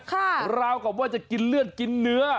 ราวกับว่าจะกินเลือดกินเนื้อ